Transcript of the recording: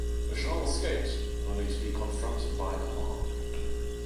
Vishal escaped, only to be confronted by Amar.